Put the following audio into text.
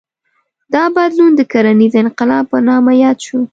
دا بدلون د کرنیز انقلاب په نامه یاد شو.